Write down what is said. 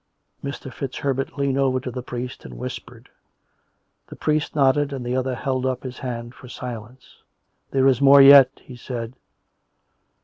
Mr. FitzHerbert leaned over to the priest and whispered. The priest nodded, and the other held up his hand for silence. " There is more yet," he s'aid.